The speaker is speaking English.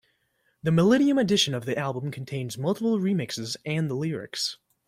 The millennium edition of the album contains multiple remixes and the lyrics.